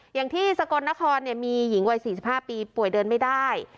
อย่างที่สกลนครเนี้ยมีหญิงวัยสี่สิบห้าปีป่วยเดินไม่ได้